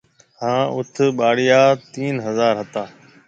ھانَ اوٿ ٻاݪيان تين ھزار ھتا۔